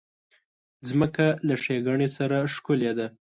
مځکه له ښېګڼې سره ښکلې ده.